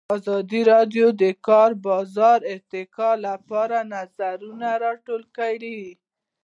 ازادي راډیو د د کار بازار د ارتقا لپاره نظرونه راټول کړي.